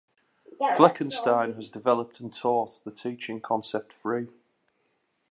Fleckenstein has developed and taught the teaching concept ‘Free!